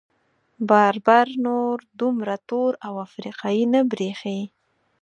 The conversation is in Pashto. بربر نور دومره تور افریقايي نه برېښي.